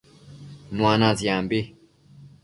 Nua natsiambi